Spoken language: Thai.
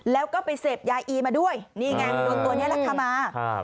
แล้วก็ไปเสพยาอีมาด้วยนี่ไงโดนตัวนี้แหละค่ะมาครับ